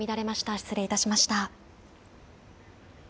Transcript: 失礼いたしました。